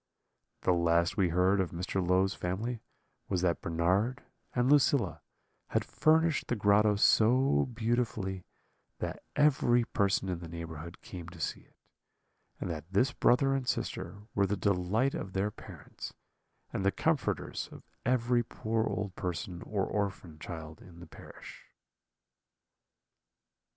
"The last we heard of Mr. Low's family was that Bernard and Lucilla had furnished the grotto so beautifully that every person in the neighbourhood came to see it; and that this brother and sister were the delight of their parents, and the comforters of every poor old person or orphan child in the parish."